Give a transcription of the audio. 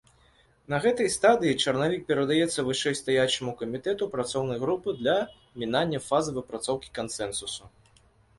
На гэтай стадыі чарнавік перадаецца вышэйстаячаму камітэту працоўнай групы для мінання фазы выпрацоўкі кансэнсусу.